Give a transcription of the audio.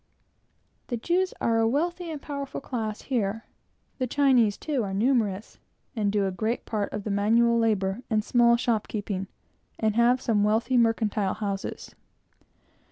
The Jews are a wealthy and powerful class here. The Chinese, too, are numerous, and do a great part of the manual labor and small shop keeping, and have some wealthy mercantile houses.